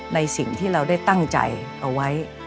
ในสิ่งที่เราได้ตั้งใจเอาไว้